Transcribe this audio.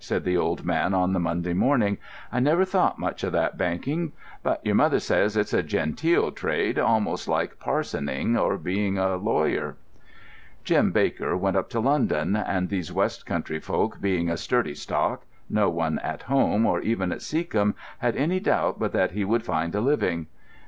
said the old man on the Monday morning; "I never thought much of that banking, but your mother says it's a genteel trade, almost like parsoning or being a lawyer." Jim Baker went up to London, and these West Country folk being a sturdy stock, no one at home, or even at Seacombe, had any doubt but that he would find a living.